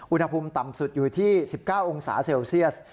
อุณหภูมิต่ำสุดอยู่ที่๑๙องศาเซลเซียส